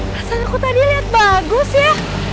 rasanya aku tadi liat bagus ya